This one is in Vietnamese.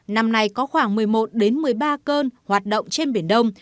năm nay có khoảng một mươi một một mươi ba cơn hoạt động trên biển đông